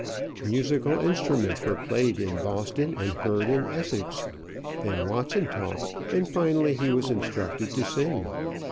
Musical instruments were played in Boston and heard in Essex; then Watson talked, and finally he was instructed to sing.